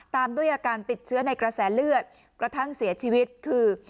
ตามด้วยอาการติดเชื้อในกระแสเลือดกระทั่งเสียชีวิตคือ